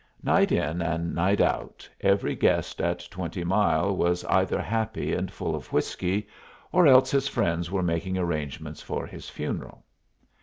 Night in and night out every guest at Twenty Mile was either happy and full of whiskey, or else his friends were making arrangements for his funeral.